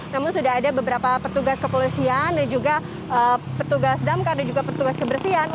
namun sudah ada beberapa petugas kepolisian dan juga petugas damkar dan juga petugas kebersihan